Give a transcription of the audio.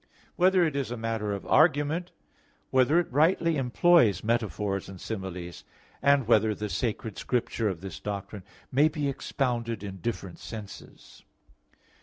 (8) Whether it is a matter of argument? (9) Whether it rightly employs metaphors and similes? (10) Whether the Sacred Scripture of this doctrine may be expounded in different senses?